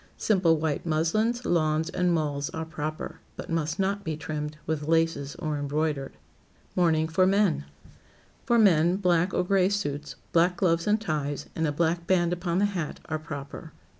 Simple white muslins, lawns and mulls are proper, but must not be trimmed with laces or embroidered. [Sidenote: MOURNING FOR MEN] For men, black or gray suits, black gloves and ties, and a black band upon the hat, are proper.